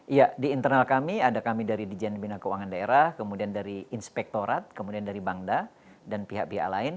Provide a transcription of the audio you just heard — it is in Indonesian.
iya di internal kami ada kami dari dijen bina keuangan daerah kemudian dari inspektorat kemudian dari bangda dan pihak pihak lain